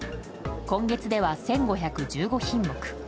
今月では１５１５品目。